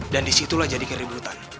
dan disitulah jadi keributan